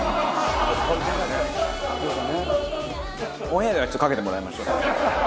オンエアではかけてもらいましょう。